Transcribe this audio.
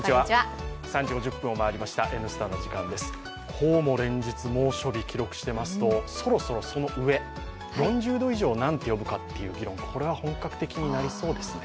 こうも連日猛暑日記録していますと、そろそろ、その上、４０度以上を何と呼ぶかという議論、これが本格的になりそうですね。